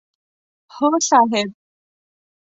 هو صاحب!